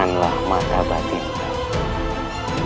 saya sudah bird